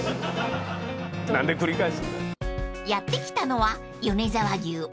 ［やって来たのは］